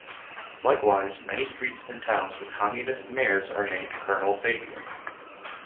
Likewise, many streets in towns with communist mayors are named "Colonel Fabien".